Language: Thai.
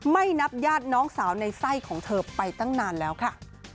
ไม่นับญาติน้องสาวในไส้ของเธอไปตั้งนานแล้วค่ะ